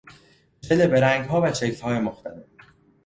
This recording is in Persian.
ژله به رنگها و شکلهای مختلف